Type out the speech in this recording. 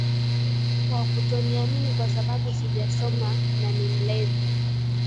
Wa kutoniamini kwa sababu sijasoma na ni mlevi